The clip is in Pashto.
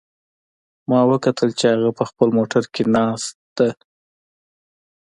ما وکتل چې هغه په خپل موټر کې ناست ده